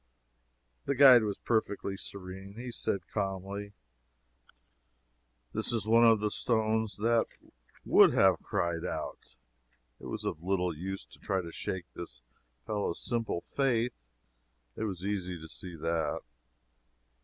The guide was perfectly serene. He said, calmly, "This is one of the stones that would have cried out." It was of little use to try to shake this fellow's simple faith it was easy to see that.